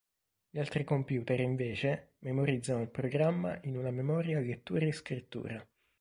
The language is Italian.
Gli altri computer invece memorizzano il programma in una memoria a lettura e scrittura.